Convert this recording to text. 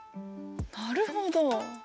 なるほど！